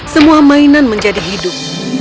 semua mainan menjadi hidup